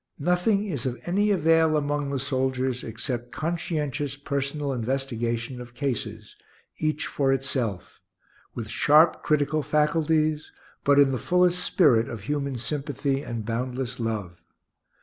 Nothing is of any avail among the soldiers except conscientious personal investigation of cases, each for itself; with sharp, critical faculties, but in the fullest spirit of human sympathy and boundless love.